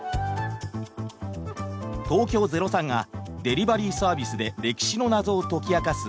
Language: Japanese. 東京０３がデリバリーサービスで歴史の謎を解き明かす